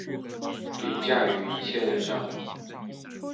凌驾於一切之上